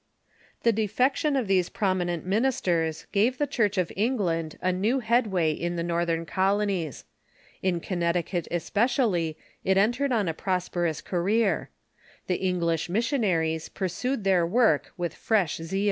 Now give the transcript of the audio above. The defection of these prominent ministers gave the Church of England a new head way in the northern colonies. In Con New Hopes necticut especially it entered on a prosperous for the career. The English missionaries pursued their Episcopal Church ^^.^^.j, ^^.